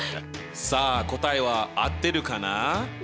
さあ答えは合ってるかな？